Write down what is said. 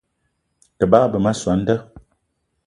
Te bagbe ma soo an da